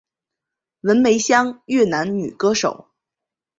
文梅香越南女歌手。